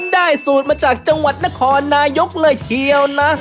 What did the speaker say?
ได้สูตรมาจากจังหวัดนครนายกเลยเชียวนะ